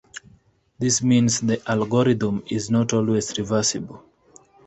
This means the algorithm is not always reversible.